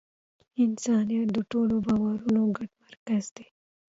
انسانیت د ټولو باورونو ګډ مرکز دی.